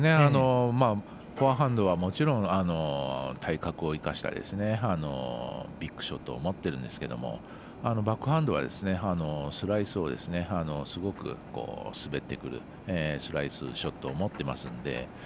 フォアハンドはもちろん体格を生かしたビッグショットを持ってるんですけどバックハンドは、スライスをすごく滑ってくるスライスショットを持っていますので。